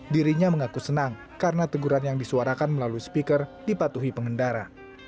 dirinya mengaku senang karena teguran yang disuarakan melalui speaker dipatuhi pengendara